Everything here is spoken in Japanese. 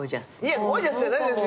ゴージャスじゃないですよ。